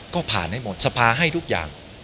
ก็ผ่านให้หมดสภาให้ทุกอย่าง